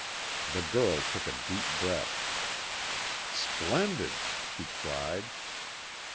The girl took a deep breath. "Splendid," she cried.